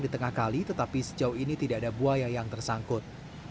di tengah kali tetapi sejauh ini tidak ada buaya yang tersangkut